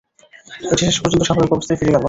এটি শেষ পর্যন্ত স্বাভাবিক অবস্থায় ফিরে গেল।